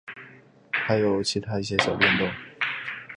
还有其它一些小变动。